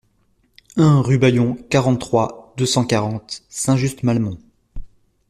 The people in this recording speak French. un rue Bayon, quarante-trois, deux cent quarante, Saint-Just-Malmont